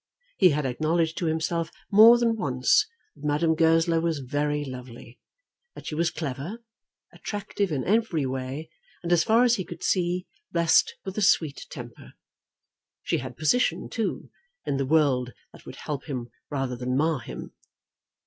He had acknowledged to himself more than once that Madame Goesler was very lovely, that she was clever, attractive in every way, and as far as he could see, blessed with a sweet temper. She had a position, too, in the world that would help him rather than mar him.